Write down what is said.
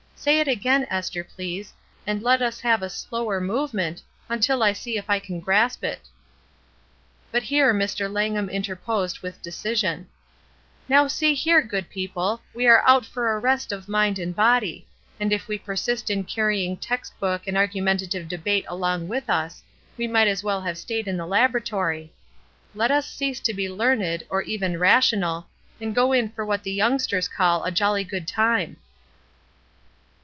Say it again, Esther, please, and let us have a slower movement, imtil I see if I can grasp it." But here Mr. Langham interposed with deci sion: '^Now see here, good people, we are out for a rest of mind and body ; and if we persist in carrying text book and argumentative debate along with us, we might as well have stayed in the laboratory. Let us cease to be learned, or even rational, and go in for what the youngsters call ^A jolly good time.